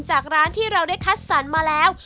จากร้านที่เราได้คัดสรรมาแล้ว